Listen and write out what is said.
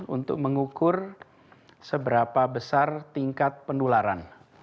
untuk mengukur seberapa besar tingkat penularan